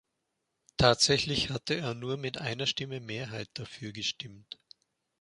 Tatsächlich hatte er nur mit einer Stimme Mehrheit dafür gestimmt.